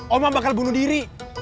oma bakal bunuh diri